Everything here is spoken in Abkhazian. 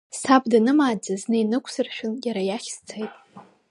Саб данымааӡа, зны инықәсыршәын иара иахь сцеит.